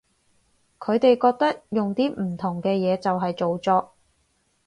佢哋覺得用啲唔同嘅嘢就係造作